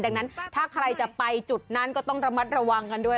ดังนั้นถ้าใครจะไปจุดนั้นก็ต้องระมัดระวังกันด้วย